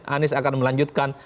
anies akan melanjutkan